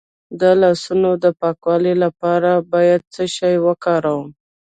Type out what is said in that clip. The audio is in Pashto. د لاسونو د پاکوالي لپاره باید څه شی وکاروم؟